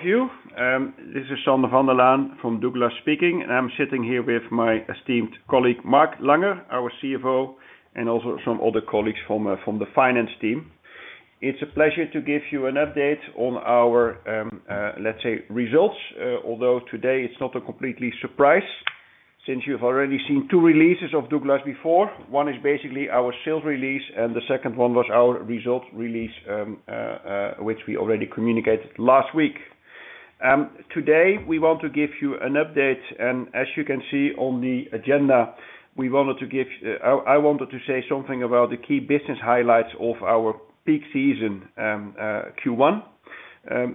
Hello, you. This is Sander van der Laan from Douglas, speaking, and I'm sitting here with my esteemed colleague Mark Langer, our CFO, and also some other colleagues from the finance team. It's a pleasure to give you an update on our, let's say, results, although today it's not a completely surprise. Since you've already seen two releases of Douglas before, one is basically our sales release, and the second one was our result release, which we already communicated last week. Today we want to give you an update, and as you can see on the agenda, I wanted to say something about the key business highlights of our peak season, Q1.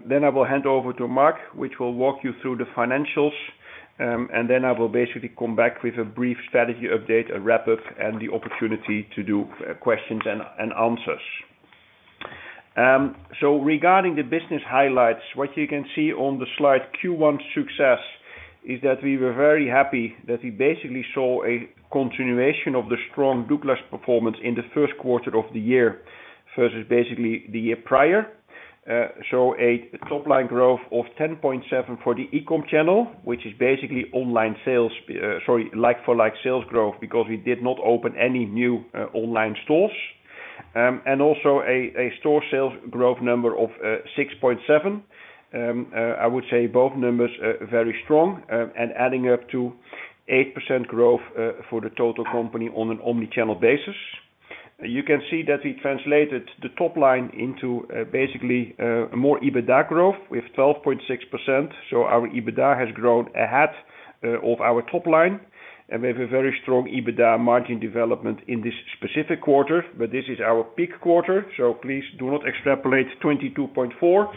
Then I will hand over to Mark, which will walk you through the financials, and then I will basically come back with a brief strategy update, a wrap-up, and the opportunity to do questions and answers. So regarding the business highlights, what you can see on the slide Q1 success is that we were very happy that we basically saw a continuation of the strong Douglas performance in the first quarter of the year versus basically the year prior. So a top-line growth of 10.7% for the e-com channel, which is basically online sales, sorry, like-for-like sales growth because we did not open any new online stores. And also a store sales growth number of 6.7%. I would say both numbers very strong, and adding up to 8% growth for the total company on an omnichannel basis. You can see that we translated the top-line into, basically, more EBITDA growth with 12.6%. So our EBITDA has grown ahead of our top-line. And we have a very strong EBITDA margin development in this specific quarter, but this is our peak quarter, so please do not extrapolate 22.4%.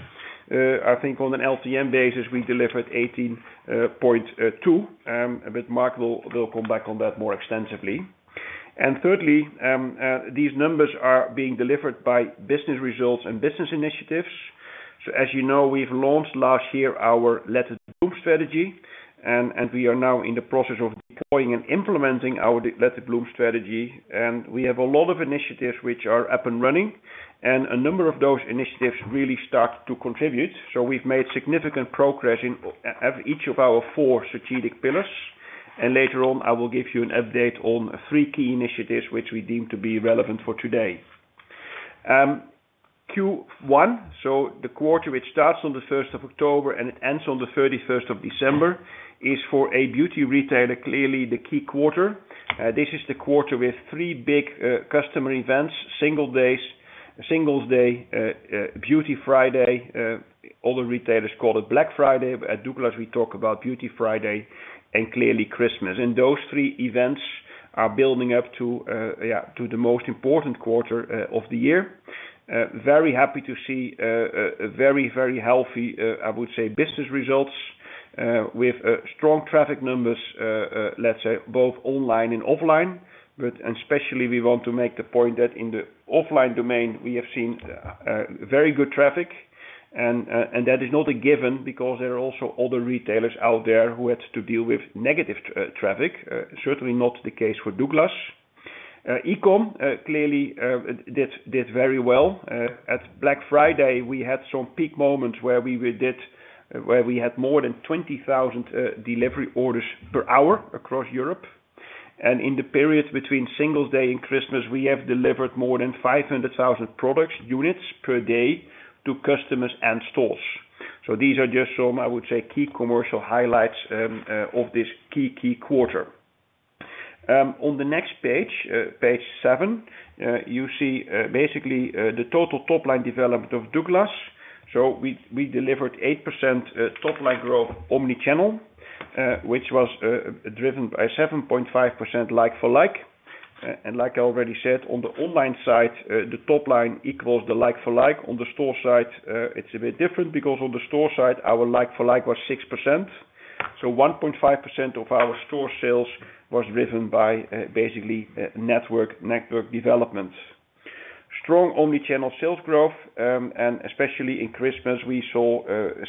I think on an LTM basis we delivered 18.2%, but Mark will come back on that more extensively. And thirdly, these numbers are being delivered by business results and business initiatives. So as you know, we've launched last year our Let It Bloom strategy, and we are now in the process of deploying and implementing our Let It Bloom strategy. And we have a lot of initiatives which are up and running, and a number of those initiatives really start to contribute. So we've made significant progress in each of our four strategic pillars. Later on I will give you an update on three key initiatives which we deem to be relevant for today. Q1, so the quarter which starts on the 1st of October and it ends on the 31st of December, is for a beauty retailer clearly the key quarter. This is the quarter with three big customer events: single days, Singles Day, Beauty Friday. All the retailers call it Black Friday. At Douglas we talk about Beauty Friday and clearly Christmas. And those three events are building up to, yeah, to the most important quarter of the year. Very happy to see very, very healthy, I would say, business results with strong traffic numbers, let's say, both online and offline. But especially we want to make the point that in the offline domain we have seen very good traffic. That is not a given because there are also other retailers out there who had to deal with negative traffic, certainly not the case for Douglas. E-com clearly did very well. At Black Friday we had some peak moments where we had more than 20,000 delivery orders per hour across Europe. And in the period between Singles Day and Christmas we have delivered more than 500,000 product units per day to customers and stores. So these are just some, I would say, key commercial highlights of this key quarter. On the next page, page seven, you see basically the total top-line development of Douglas. So we delivered 8% top-line growth omnichannel, which was driven by 7.5% like-for-like. And like I already said, on the online side, the top-line equals the like-for-like. On the store side, it's a bit different because on the store side our like-for-like was 6%. So 1.5% of our store sales was driven by, basically, network, network development. Strong omnichannel sales growth, and especially in Christmas we saw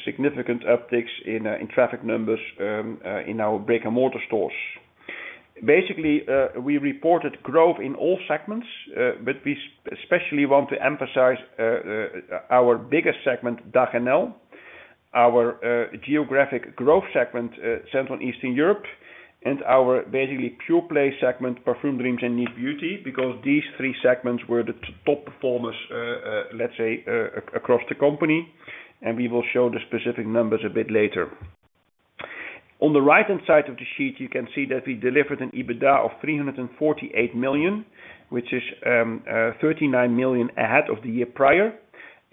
significant upticks in, in traffic numbers, in our brick-and-mortar stores. Basically, we reported growth in all segments, but we especially want to emphasize our biggest segment, DACHNL. Our geographic growth segment, Central and Eastern Europe, and our basically pure-play segment, parfum dreams, and Niche Beauty, because these three segments were the top performers, let's say, across the company. And we will show the specific numbers a bit later. On the right-hand side of the sheet you can see that we delivered an EBITDA of 348 million, which is 39 million ahead of the year prior.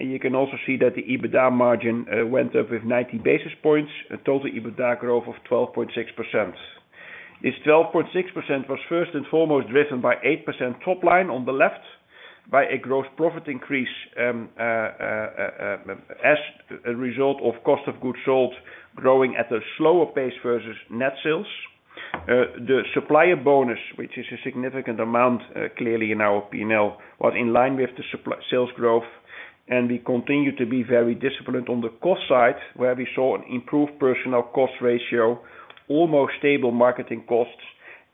And you can also see that the EBITDA margin went up with 90 basis points, a total EBITDA growth of 12.6%. This 12.6% was first and foremost driven by 8% top-line on the left, by a gross profit increase, as a result of cost of goods sold growing at a slower pace versus net sales. The supplier bonus, which is a significant amount, clearly in our P&L, was in line with the supplier sales growth. And we continue to be very disciplined on the cost side, where we saw an improved personnel cost ratio, almost stable marketing costs,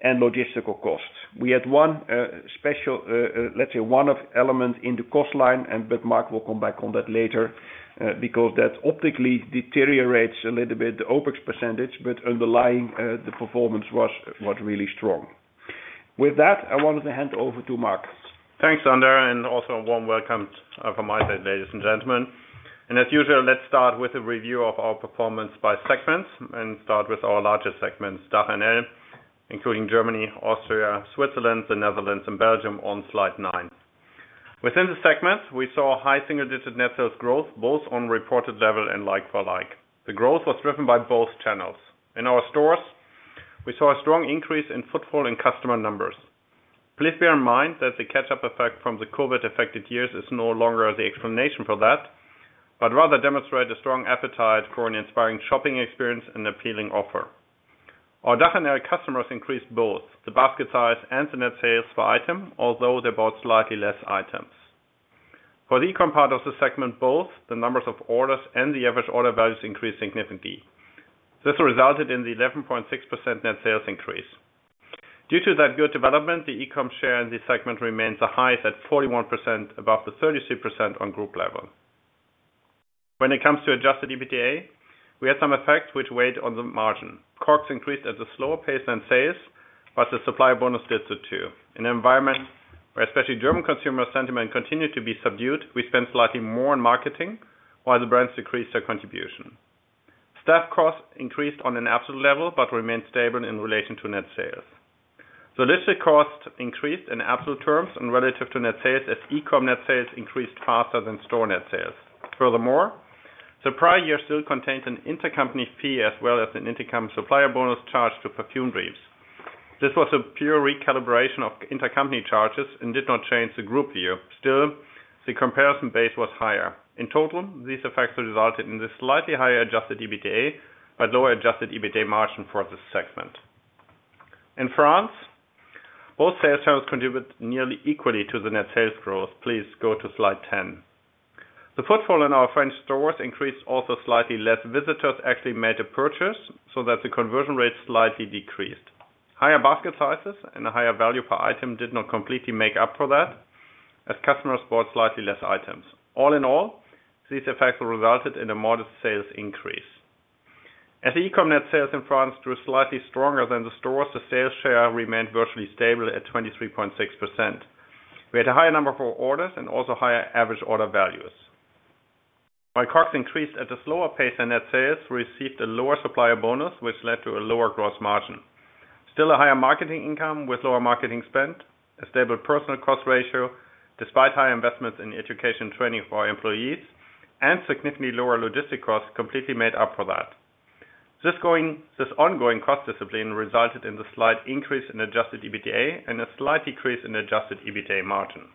and logistical costs. We had one special, let's say one-off element in the cost line, and but Mark will come back on that later, because that optically deteriorates a little bit the OPEX percentage, but underlying, the performance was, was really strong. With that, I wanted to hand over to Mark. Thanks, Sander, and also a warm welcome from my side, ladies and gentlemen. As usual, let's start with a review of our performance by segments and start with our largest segments, DACHNL, including Germany, Austria, Switzerland, the Netherlands, and Belgium on slide nine. Within the segments we saw high single-digit net sales growth, both on reported level and like-for-like. The growth was driven by both channels. In our stores we saw a strong increase in footfall and customer numbers. Please bear in mind that the catch-up effect from the COVID-affected years is no longer the explanation for that, but rather demonstrated a strong appetite for an inspiring shopping experience and appealing offer. Our DACHNL customers increased both the basket size and the net sales per item, although they bought slightly less items. For the e-com part of the segment, both the numbers of orders and the average order values increased significantly. This resulted in the 11.6% net sales increase. Due to that good development, the e-com share in the segment remains the highest at 41% above the 33% on group level. When it comes to Adjusted EBITDA, we had some effects which weighed on the margin. COGS increased at a slower pace than sales, but the Supplier Bonus did so too. In an environment where especially German consumer sentiment continued to be subdued, we spent slightly more on marketing, while the brands decreased their contribution. Staff costs increased on an absolute level but remained stable in relation to net sales. Logistics costs increased in absolute terms and relative to net sales as e-com net sales increased faster than store net sales. Furthermore, the prior year still contained an intercompany fee as well as an intercompany supplier bonus charge to parfume dreams. This was a pure recalibration of intercompany charges and did not change the group view. Still, the comparison base was higher. In total, these effects resulted in the slightly higher Adjusted EBITDA but lower Adjusted EBITDA margin for this segment. In France, both sales channels contributed nearly equally to the net sales growth. Please go to slide 10. The footfall in our French stores increased also slightly. Less visitors actually made a purchase, so that the conversion rate slightly decreased. Higher basket sizes and a higher value per item did not completely make up for that, as customers bought slightly less items. All in all, these effects resulted in a modest sales increase. As e-com net sales in France grew slightly stronger than the stores, the sales share remained virtually stable at 23.6%. We had a higher number of orders and also higher average order values. While COGS increased at a slower pace than net sales, we received a lower Supplier Bonus, which led to a lower gross margin. Still, a higher marketing income with lower marketing spend, a stable personal cost ratio despite higher investments in education training for our employees, and significantly lower logistic costs completely made up for that. This ongoing cost discipline resulted in the slight increase in Adjusted EBITDA and a slight decrease in Adjusted EBITDA margin.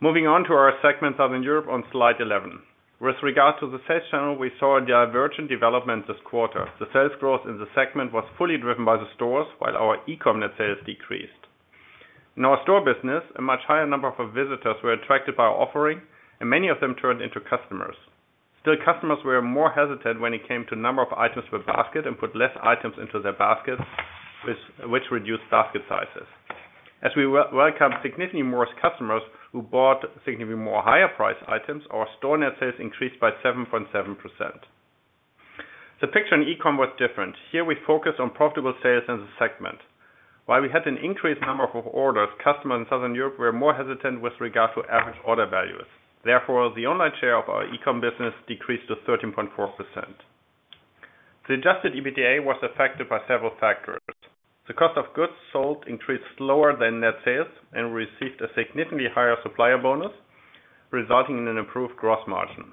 Moving on to our segment, Southern Europe, on slide 11. With regard to the sales channel, we saw a divergent development this quarter. The sales growth in the segment was fully driven by the stores, while our e-com net sales decreased. In our store business, a much higher number of visitors were attracted by our offering, and many of them turned into customers. Still, customers were more hesitant when it came to the number of items per basket and put less items into their baskets, which reduced basket sizes. As we welcomed significantly more customers who bought significantly more higher-priced items, our store net sales increased by 7.7%. The picture in e-com was different. Here we focused on profitable sales in the segment. While we had an increased number of orders, customers in Southern Europe were more hesitant with regard to average order values. Therefore, the online share of our e-com business decreased to 13.4%. The Adjusted EBITDA was affected by several factors. The cost of goods sold increased slower than net sales and we received a significantly higher Supplier Bonus, resulting in an improved gross margin.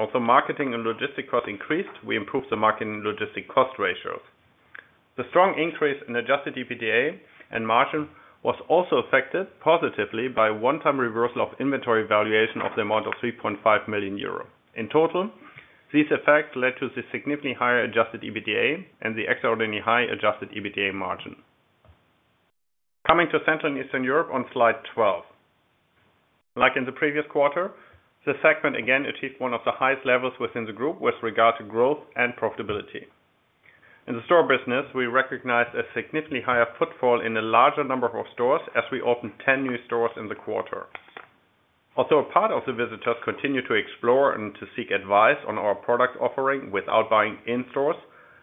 Although marketing and logistic costs increased, we improved the marketing and logistic cost ratios. The strong increase in Adjusted EBITDA and margin was also affected positively by a one-time reversal of inventory valuation of the amount of 3.5 million euro. In total, these effects led to the significantly higher Adjusted EBITDA and the extraordinarily high Adjusted EBITDA margin. Coming to Central and Eastern Europe, on slide 12. Like in the previous quarter, the segment again achieved one of the highest levels within the group with regard to growth and profitability. In the store business, we recognized a significantly higher footfall in a larger number of stores as we opened 10 new stores in the quarter. Although a part of the visitors continued to explore and to seek advice on our product offering without buying in stores,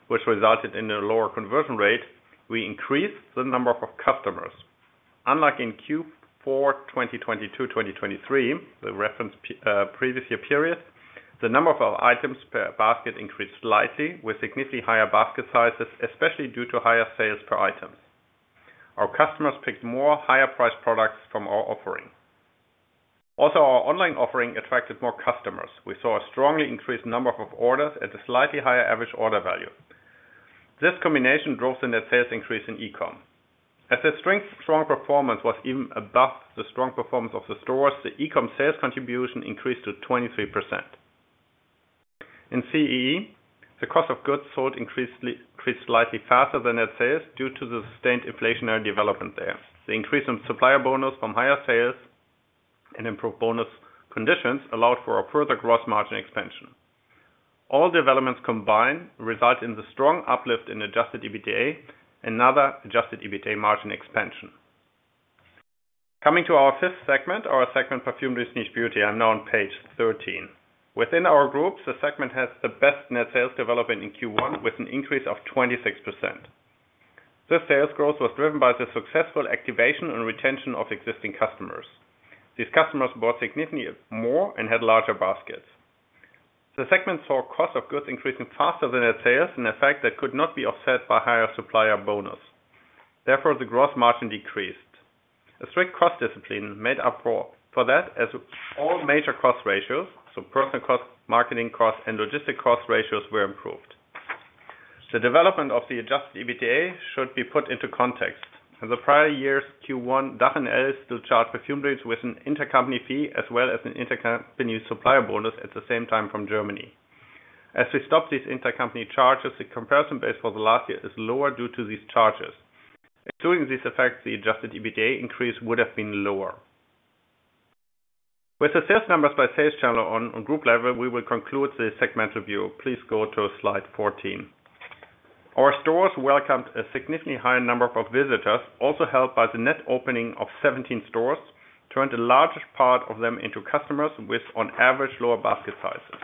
which resulted in a lower conversion rate, we increased the number of customers. Unlike in Q4 2022-2023, the reference previous year period, the number of our items per basket increased slightly, with significantly higher basket sizes, especially due to higher sales per item. Our customers picked more higher-priced products from our offering. Also, our online offering attracted more customers. We saw a strongly increased number of orders and a slightly higher average order value. This combination drove the net sales increase in e-com. As the strength strong performance was even above the strong performance of the stores, the e-com sales contribution increased to 23%. In CEE, the cost of goods sold increased slightly faster than net sales due to the sustained inflationary development there. The increase in supplier bonus from higher sales and improved bonus conditions allowed for a further gross margin expansion. All developments combined resulted in the strong uplift in Adjusted EBITDA and another Adjusted EBITDA margin expansion. Coming to our fifth segment, our segment parfumdreams, Niche Beauty, I'm now on page 13. Within our group, the segment has the best net sales development in Q1 with an increase of 26%. This sales growth was driven by the successful activation and retention of existing customers. These customers bought significantly more and had larger baskets. The segment saw cost of goods increasing faster than net sales in a fact that could not be offset by higher supplier bonus. Therefore, the gross margin decreased. A strict cost discipline made up for that as all major cost ratios, so personal cost, marketing cost, and logistic cost ratios, were improved. The development of the Adjusted EBITDA should be put into context. In the prior years, Q1, DACHNL still charged parfumdreams with an intercompany fee as well as an intercompany supplier bonus at the same time from Germany. As we stopped these intercompany charges, the comparison base for the last year is lower due to these charges. Excluding these effects, the Adjusted EBITDA increase would have been lower. With the sales numbers by sales channel on group level, we will conclude the segment review. Please go to slide 14. Our stores welcomed a significantly higher number of visitors, also helped by the net opening of 17 stores, turned the largest part of them into customers with, on average, lower basket sizes.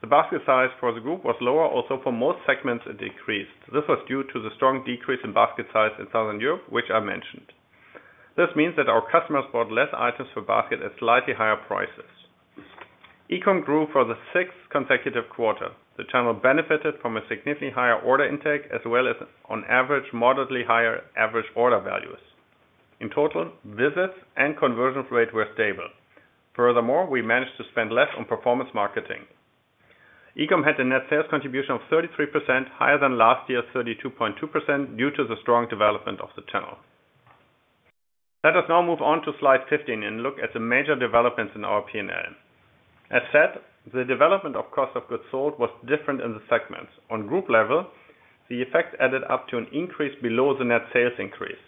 The basket size for the group was lower, although for most segments it decreased. This was due to the strong decrease in basket size in Southern Europe, which I mentioned. This means that our customers bought less items per basket at slightly higher prices. E-com grew for the sixth consecutive quarter. The channel benefited from a significantly higher order intake as well as, on average, moderately higher average order values. In total, visits and conversion rate were stable. Furthermore, we managed to spend less on performance marketing. E-com had a net sales contribution of 33%, higher than last year's 32.2% due to the strong development of the channel. Let us now move on to slide 15 and look at the major developments in our P&L. As said, the development of cost of goods sold was different in the segments. On group level, the effect added up to an increase below the net sales increase.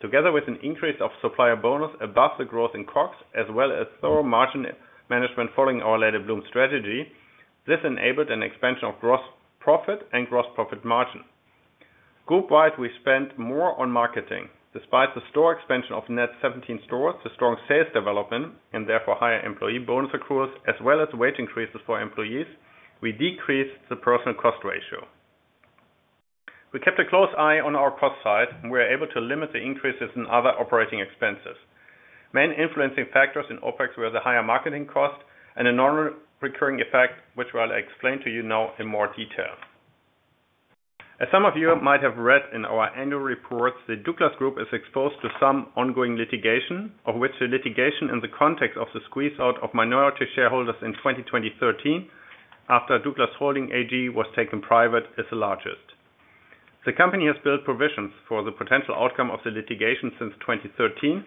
Together with an increase of supplier bonus above the growth in COGS, as well as thorough margin management following our Let it Bloom strategy, this enabled an expansion of gross profit and gross profit margin. Group-wide, we spent more on marketing. Despite the store expansion of net 17 stores, the strong sales development, and therefore higher employee bonus accruals, as well as wage increases for employees, we decreased the personnel cost ratio. We kept a close eye on our cost side, and we were able to limit the increases in other operating expenses. Main influencing factors in OPEX were the higher marketing cost and a normal recurring effect, which I'll explain to you now in more detail. As some of you might have read in our annual reports, the DOUGLAS Group is exposed to some ongoing litigation, of which the litigation in the context of the squeeze-out of minority shareholders in 2013 after Douglas Holding AG was taken private is the largest. The company has built provisions for the potential outcome of the litigation since 2013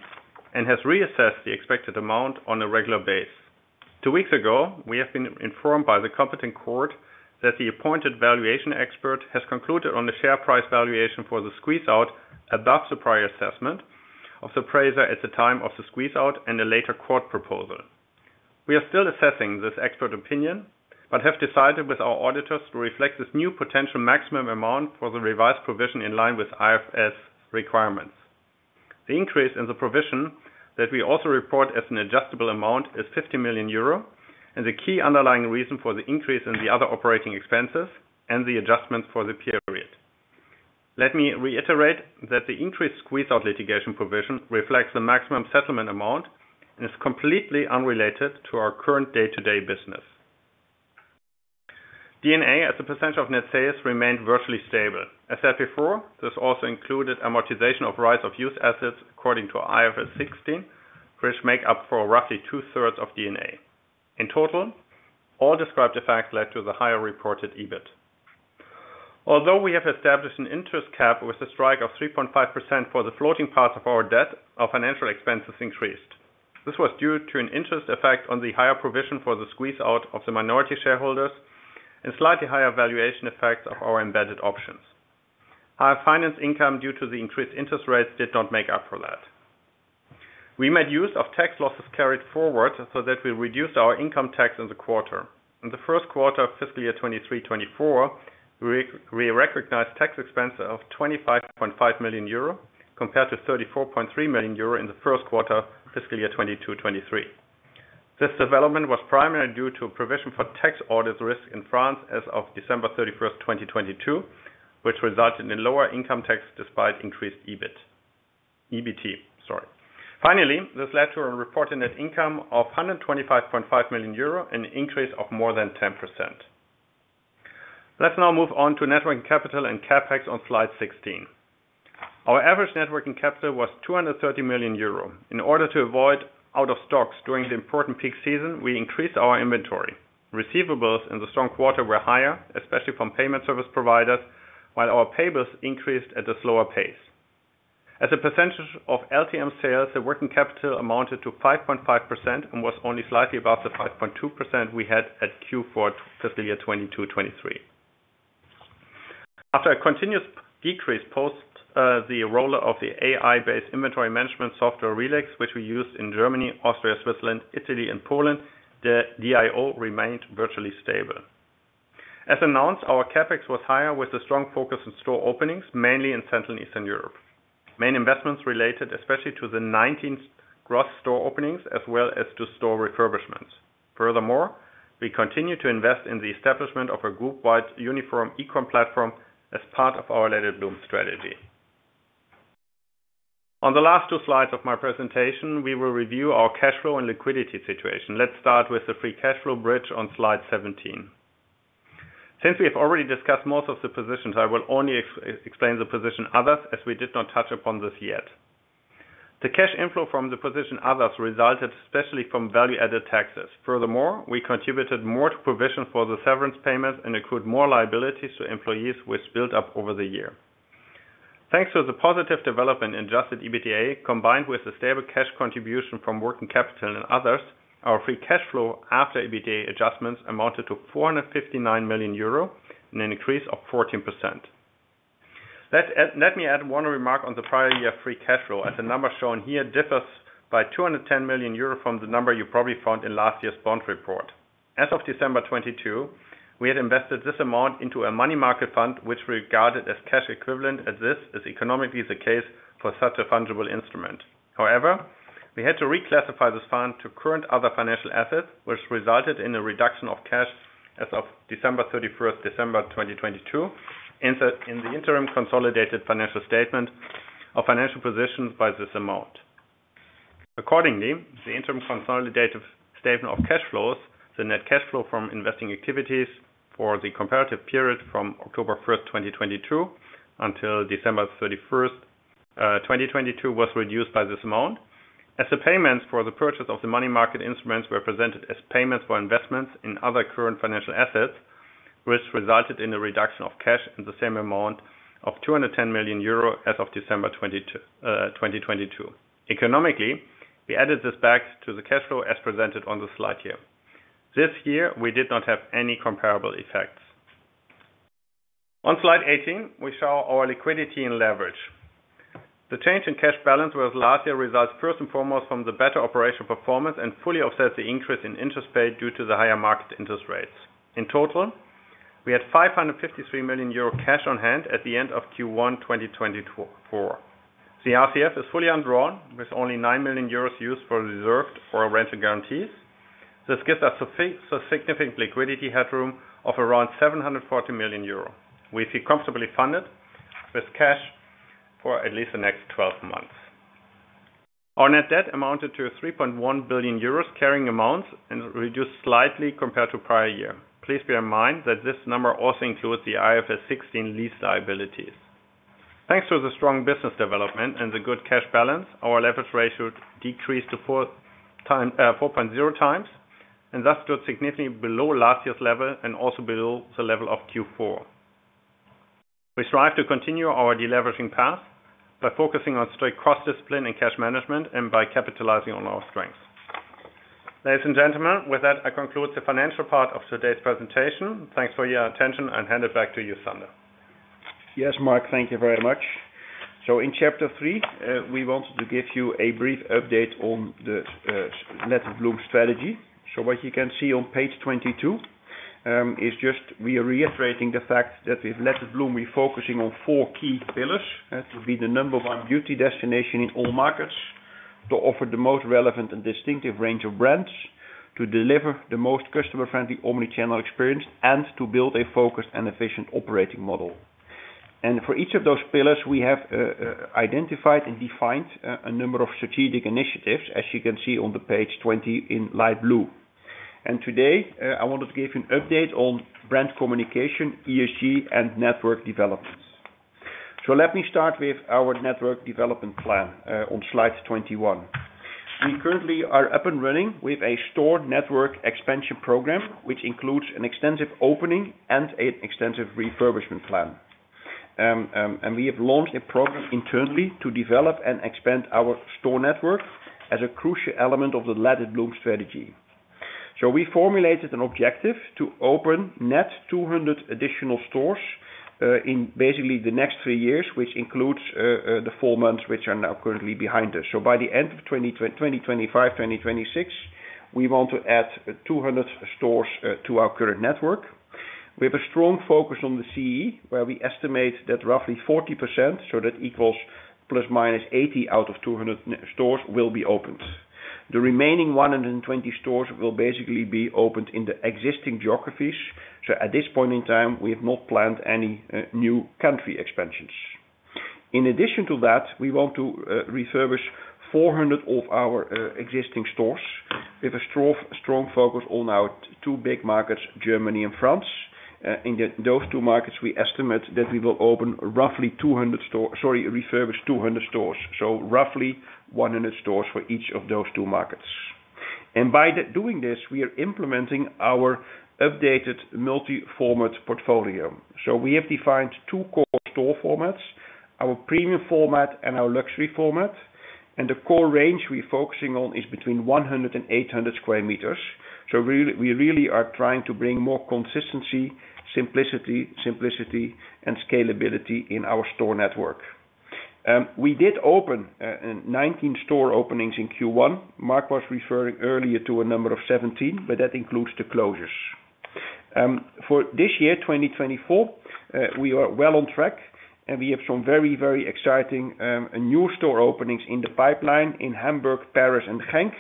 and has reassessed the expected amount on a regular basis. Two weeks ago, we have been informed by the competent court that the appointed valuation expert has concluded on the share price valuation for the squeeze-out above the prior assessment of the appraiser at the time of the squeeze-out and a later court proposal. We are still assessing this expert opinion but have decided with our auditors to reflect this new potential maximum amount for the revised provision in line with IFRS requirements. The increase in the provision that we also report as an adjustable amount is 50 million euro, and the key underlying reason for the increase in the other operating expenses and the adjustments for the period. Let me reiterate that the increased squeeze-out litigation provision reflects the maximum settlement amount and is completely unrelated to our current day-to-day business. D&A as a percentage of net sales remained virtually stable. As said before, this also included amortization of right-of-use assets according to IFRS 16, which make up for roughly two-thirds of D&A. In total, all described effects led to the higher reported EBIT. Although we have established an interest cap with a strike of 3.5% for the floating parts of our debt, our financial expenses increased. This was due to an interest effect on the higher provision for the squeeze-out of the minority shareholders and slightly higher valuation effects of our embedded options. Higher finance income due to the increased interest rates did not make up for that. We made use of tax losses carried forward so that we reduced our income tax in the quarter. In the first quarter of fiscal year 2023-2024, we recognized tax expenses of 25.5 million euro compared to 34.3 million euro in the first quarter of fiscal year 2022-2023. This development was primarily due to a provision for tax audit risk in France as of 31st December 2022, which resulted in lower income tax despite increased EBIT. Finally, this led to a reported net income of 125.5 million euro, an increase of more than 10%. Let's now move on to net working capital and CapEx on slide 16. Our average net working capital was 230 million euro. In order to avoid out-of-stocks during the important peak season, we increased our inventory. Receivables in the strong quarter were higher, especially from payment service providers, while our payables increased at a slower pace. As a percentage of LTM sales, the working capital amounted to 5.5% and was only slightly above the 5.2% we had at Q4 fiscal year 2022-2023. After a continuous decrease post the rollout of the AI-based inventory management software RELEX, which we used in Germany, Austria, Switzerland, Italy, and Poland, the DIO remained virtually stable. As announced, our CapEx was higher with a strong focus on store openings, mainly in Central and Eastern Europe. Main investments related especially to the 19th gross store openings as well as to store refurbishments. Furthermore, we continue to invest in the establishment of a group-wide uniform e-com platform as part of our Let it Bloom strategy. On the last two slides of my presentation, we will review our cash flow and liquidity situation. Let's start with the free cash flow bridge on slide 17. Since we have already discussed most of the positions, I will only explain the position "others" as we did not touch upon this yet. The cash inflow from the position "others" resulted especially from value-added taxes. Furthermore, we contributed more to provision for the severance payments and accrued more liabilities to employees, which built up over the year. Thanks to the positive development in Adjusted EBITDA combined with a stable cash contribution from working capital and "others," our free cash flow after EBITDA adjustments amounted to 459 million euro, an increase of 14%. Let me add one remark on the prior year free cash flow, as the number shown here differs by 210 million euro from the number you probably found in last year's bond report. As of 22nd December, we had invested this amount into a money market fund, which we regarded as cash equivalent, as this is economically the case for such a fungible instrument. However, we had to reclassify this fund to current other financial assets, which resulted in a reduction of cash as of 31st December 2022, in the interim consolidated financial statement of financial positions by this amount. Accordingly, the interim consolidated statement of cash flows, the net cash flow from investing activities for the comparative period from 1st October 2022, until 31st December 2022, was reduced by this amount, as the payments for the purchase of the money market instruments were presented as payments for investments in other current financial assets, which resulted in a reduction of cash in the same amount of 210 million euro as of December 2022. Economically, we added this back to the cash flow as presented on the slide here. This year, we did not have any comparable effects. On slide 18, we show our liquidity and leverage. The change in cash balance versus last year results first and foremost from the better operational performance and fully offsets the increase in interest paid due to the higher market interest rates. In total, we had 553 million euro cash on hand at the end of Q1 2024. The RCF is fully undrawn, with only 9 million euros used for reserved or rental guarantees. This gives us a significant liquidity headroom of around 740 million euro. We feel comfortably funded with cash for at least the next 12 months. Our net debt amounted to 3.1 billion euros carrying amounts and reduced slightly compared to prior year. Please bear in mind that this number also includes the IFRS 16 lease liabilities. Thanks to the strong business development and the good cash balance, our leverage ratio decreased to 4.0x and thus stood significantly below last year's level and also below the level of Q4. We strive to continue our deleveraging path by focusing on strict cost discipline and cash management and by capitalizing on our strengths. Ladies and gentlemen, with that, I conclude the financial part of today's presentation. Thanks for your attention, and hand it back to you, Sander. Yes, Mark, thank you very much. In chapter three, we wanted to give you a brief update on the Let it Bloom strategy. What you can see on page 22 is just we are reiterating the fact that with Let it Bloom, we are focusing on four key pillars. It would be the number one beauty destination in all markets, to offer the most relevant and distinctive range of brands, to deliver the most customer-friendly omnichannel experience, and to build a focused and efficient operating model. For each of those pillars, we have identified and defined a number of strategic initiatives, as you can see on page 20 in light blue. Today, I wanted to give you an update on brand communication, ESG, and network development. Let me start with our network development plan on slide 21. We currently are up and running with a store network expansion program, which includes an extensive opening and an extensive refurbishment plan. We have launched a program internally to develop and expand our store network as a crucial element of the Let it Bloom strategy. We formulated an objective to open net 200 additional stores in basically the next three years, which includes the four months which are now currently behind us. By the end of 2025-2026, we want to add 200 stores to our current network. We have a strong focus on the CEE, where we estimate that roughly 40%, so that equals ±80 out of 200 stores, will be opened. The remaining 120 stores will basically be opened in the existing geographies. At this point in time, we have not planned any new country expansions. In addition to that, we want to refurbish 400 of our existing stores with a strong focus on our two big markets, Germany and France. In those two markets, we estimate that we will open roughly 200 stores, sorry, refurbish 200 stores, so roughly 100 stores for each of those two markets. By doing this, we are implementing our updated multi-format portfolio. We have defined two core store formats: our premium format and our luxury format. The core range we are focusing on is between 100-800 square meters. We really are trying to bring more consistency, simplicity, and scalability in our store network. We did open 19 store openings in Q1. Mark was referring earlier to a number of 17, but that includes the closures. For this year, 2024, we are well on track, and we have some very, very exciting new store openings in the pipeline in Hamburg, Paris, and Genk.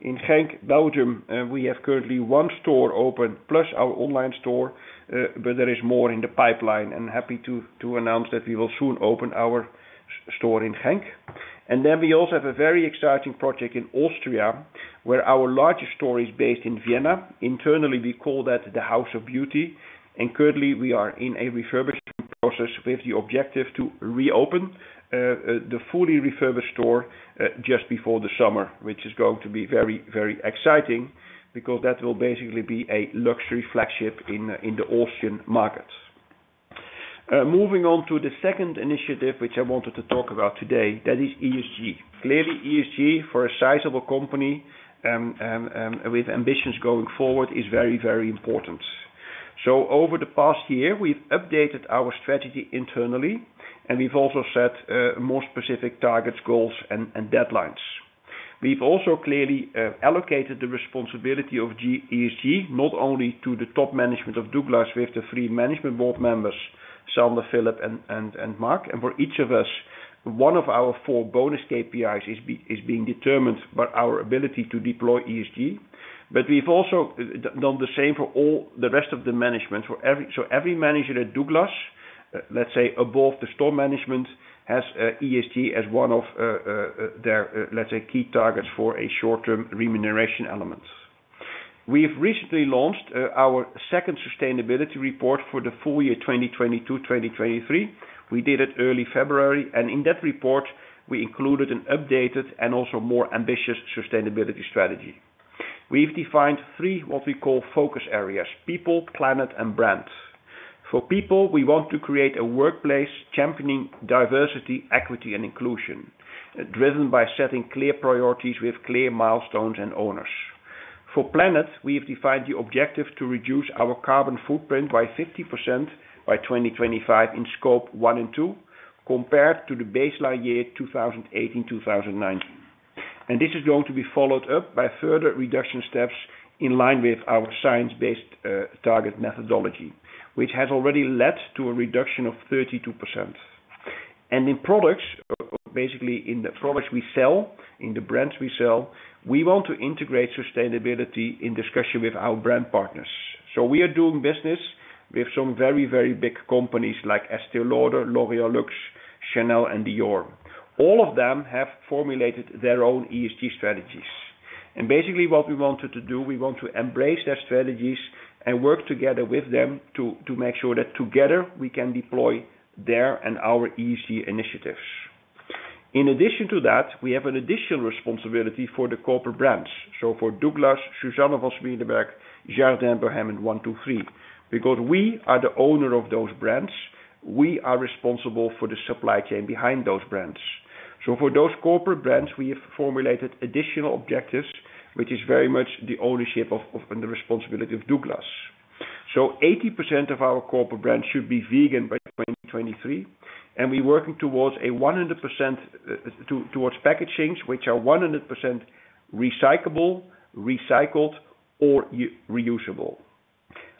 In Genk, Belgium, we have currently one store open plus our online store, but there is more in the pipeline. I'm happy to announce that we will soon open our store in Genk. Then we also have a very exciting project in Austria, where our largest store is based in Vienna. Internally, we call that the House of Beauty. Currently, we are in a refurbishment process with the objective to reopen the fully refurbished store just before the summer, which is going to be very, very exciting because that will basically be a luxury flagship in the Austrian market. Moving on to the second initiative, which I wanted to talk about today, that is ESG. Clearly, ESG for a sizable company with ambitions going forward is very, very important. Over the past year, we've updated our strategy internally, and we've also set more specific targets, goals, and deadlines. We've also clearly allocated the responsibility of ESG not only to the top management of Douglas with the three management board members, Sander, Philip, and Mark. For each of us, one of our four bonus KPIs is being determined by our ability to deploy ESG. We've also done the same for all the rest of the management. Every manager at Douglas, let's say above the store management, has ESG as one of their, let's say, key targets for a short-term remuneration element. We have recently launched our second sustainability report for the full year 2022-2023. We did it early February, and in that report, we included an updated and also more ambitious sustainability strategy. We've defined three, what we call, focus areas: people, planet, and brand. For people, we want to create a workplace championing diversity, equity, and inclusion, driven by setting clear priorities with clear milestones and owners. For planet, we have defined the objective to reduce our carbon footprint by 50% by 2025 in scope one and two compared to the baseline year 2018-2019. This is going to be followed up by further reduction steps in line with our science-based target methodology, which has already led to a reduction of 32%. In products, basically in the products we sell, in the brands we sell, we want to integrate sustainability in discussion with our brand partners. We are doing business with some very, very big companies like Estée Lauder, L'Oréal Luxe, Chanel, and Dior. All of them have formulated their own ESG strategies. Basically, what we wanted to do, we want to embrace their strategies and work together with them to make sure that together we can deploy their and our ESG initiatives. In addition to that, we have an additional responsibility for the corporate brands. For Douglas, Susanne von Swedenberg, Jardin de Bohème, 123, because we are the owner of those brands, we are responsible for the supply chain behind those brands. For those corporate brands, we have formulated additional objectives, which is very much the ownership and the responsibility of Douglas. 80% of our corporate brands should be vegan by 2023, and we're working towards packaging, which is 100% recyclable, recycled, or reusable.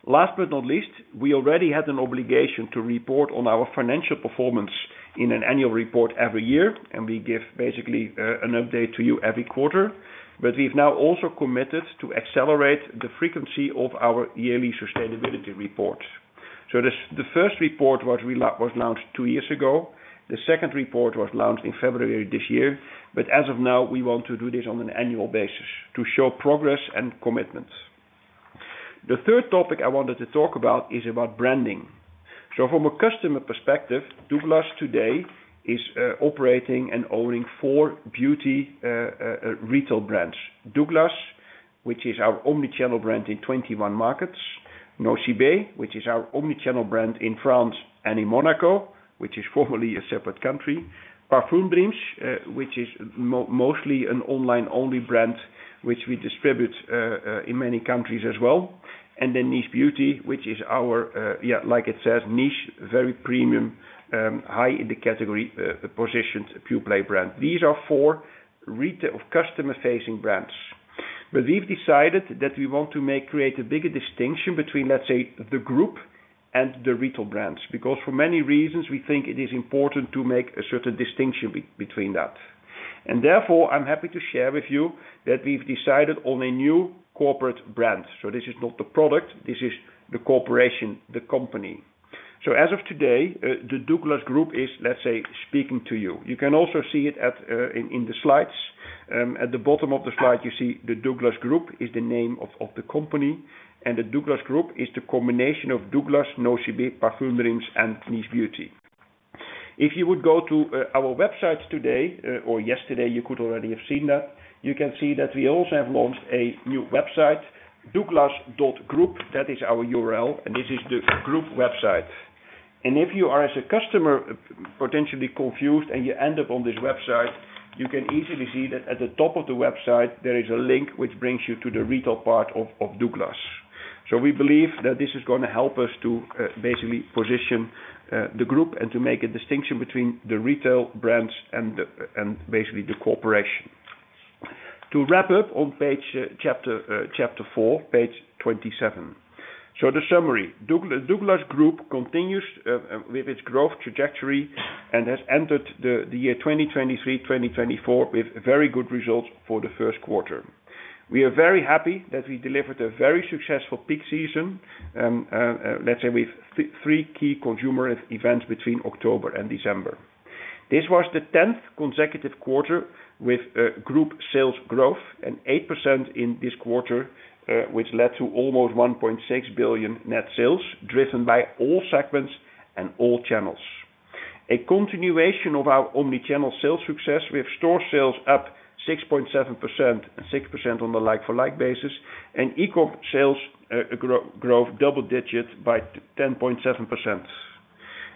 Last but not least, we already had an obligation to report on our financial performance in an annual report every year, and we give basically an update to you every quarter. We've now also committed to accelerate the frequency of our yearly sustainability report. The first report was launched two years ago. The second report was launched in February this year, but as of now, we want to do this on an annual basis to show progress and commitment. The third topic I wanted to talk about is about branding. From a customer perspective, DOUGLAS today is operating and owning four beauty retail brands: DOUGLAS, which is our omnichannel brand in 21 markets; NOCIBÉ, which is our omnichannel brand in France and in Monaco, which is formerly a separate country; parfumdreams, which is mostly an online-only brand, which we distribute in many countries as well; and then Niche Beauty, which is our, like it says, niche, very premium, high-in-the-category positioned pure-play brand. These are four customer-facing brands. We've decided that we want to create a bigger distinction between, let's say, the group and the retail brands because for many reasons, we think it is important to make a certain distinction between that. Therefore, I'm happy to share with you that we've decided on a new corporate brand. This is not the product. This is the corporation, the company. As of today, the DOUGLAS Group is, let's say, speaking to you. You can also see it in the slides. At the bottom of the slide, you see the DOUGLAS Group is the name of the company, and the DOUGLAS Group is the combination of DOUGLAS, NOCIBÉ, parfumdreams, and Niche Beauty. If you would go to our websites today, or yesterday, you could already have seen that, you can see that we also have launched a new website, douglas.group. That is our URL, and this is the group website. If you are, as a customer, potentially confused and you end up on this website, you can easily see that at the top of the website, there is a link which brings you to the retail part of DOUGLAS. We believe that this is going to help us to basically position the group and to make a distinction between the retail brands and basically the corporation. To wrap up on chapter 4, page 27. The summary: DOUGLAS Group continues with its growth trajectory and has entered the year 2023-2024 with very good results for the first quarter. We are very happy that we delivered a very successful peak season. Let's say we have three key consumer events between October and December. This was the 10th consecutive quarter with group sales growth and 8% in this quarter, which led to almost 1.6 billion net sales driven by all segments and all channels. A continuation of our omnichannel sales success with store sales up 6.7% and 6% on the like-for-like basis, and e-commerce sales growth double-digit by 10.7%.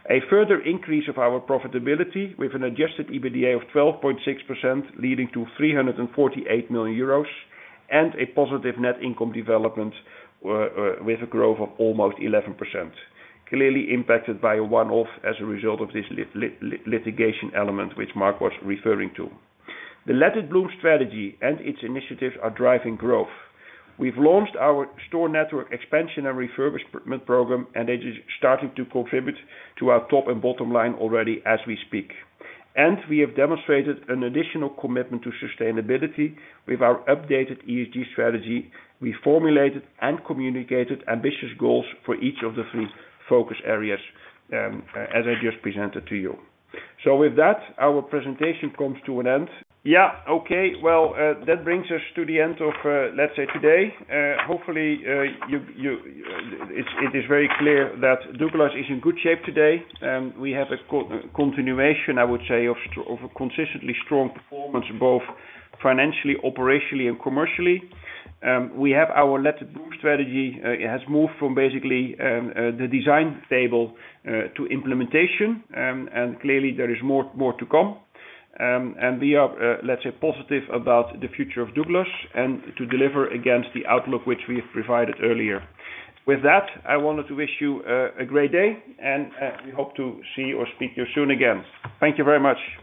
A further increase of our profitability with an Adjusted EBITDA of 12.6% leading to 348 million euros and a positive net income development with a growth of almost 11%, clearly impacted by a one-off as a result of this litigation element, which Mark was referring to. The Let it Bloom strategy and its initiatives are driving growth. We've launched our store network expansion and refurbishment program, and it is starting to contribute to our top and bottom line already as we speak. We have demonstrated an additional commitment to sustainability with our updated ESG strategy. We formulated and communicated ambitious goals for each of the three focus areas, as I just presented to you. With that, our presentation comes to an end. Yeah, okay. That brings us to the end of, let's say, today. Hopefully, it is very clear that Douglas is in good shape today. We have a continuation, I would say, of consistently strong performance both financially, operationally, and commercially. We have our Let it Bloom strategy. It has moved from basically the design table to implementation, and clearly, there is more to come. We are, let's say, positive about the future of Douglas and to deliver against the outlook which we have provided earlier. With that, I wanted to wish you a great day, and we hope to see or speak to you soon again. Thank you very much.